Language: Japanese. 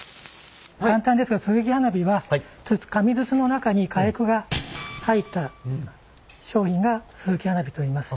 簡単ですがすすき花火は紙筒の中に火薬が入った商品がすすき花火といいます。